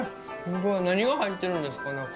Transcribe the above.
これは何が入ってるんですか？